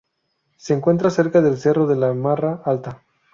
Se encuentra cerca del Cerro de la Marra Alta.